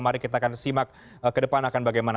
mari kita akan simak ke depan akan bagaimana